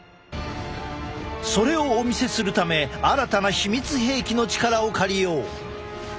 それをお見せするため新たな秘密兵器の力を借りよう。